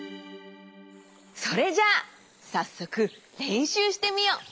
それじゃあさっそくれんしゅうしてみよう。